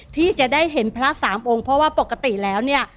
ที่จะได้เห็นพระสามองค์เพราะว่าปกติแล้วเนี่ย